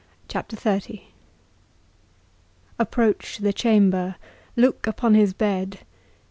CHAPTER XXX Approach the chamber, look upon his bed.